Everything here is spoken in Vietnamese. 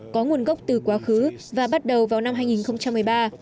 có nguồn gốc từ quá khứ và bắt đầu vào năm hai nghìn một mươi ba